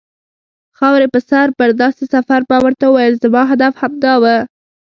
خاورې په سر پر داسې سفر، ما ورته وویل: زما هدف هم همدا و.